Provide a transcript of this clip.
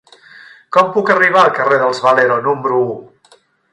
Com puc arribar al carrer dels Valero número u?